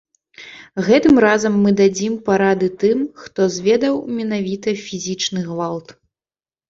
Гэтым разам мы дадзім парады тым, хто зведаў менавіта фізічны гвалт.